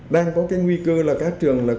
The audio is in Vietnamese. đang có cái nguy cơ là các trường là